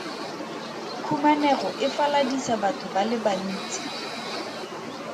Khumanego e faladisa batho ba le bantsi.